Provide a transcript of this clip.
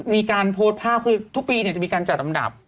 มีการโพสต์ภาพทุกปีเนี่ยจะมีการจัดอันดับ